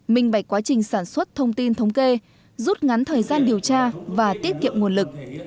minh bạch quá trình sản xuất thông tin thống kê rút ngắn thời gian điều tra và tiết kiệm nguồn lực